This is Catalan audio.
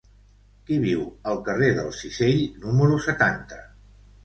Qui viu al carrer del Cisell número setanta?